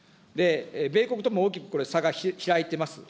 米国とも大きくこれ、差が開いてます。